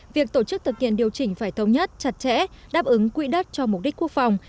việc tổ chức thực hiện điều chỉnh phải thống nhất chặt chẽ đáp ứng quỹ đất cho mục đích quốc phòng